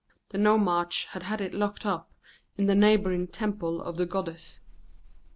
The nomarch had had it locked up in the neighbouring temple of the goddess.